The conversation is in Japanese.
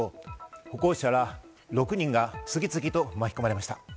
歩行者ら６人が次々と巻き込まれました。